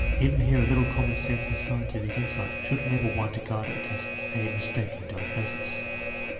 Even here a little common sense and scientific insight should enable one to guard against a mistaken diagnosis.